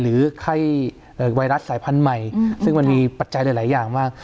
ไข้ไวรัสสายพันธุ์ใหม่ซึ่งมันมีปัจจัยหลายอย่างมาก